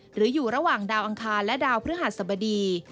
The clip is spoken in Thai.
หรืออยู่ระหว่างดาวอังคารและดาวพฤหัสบดี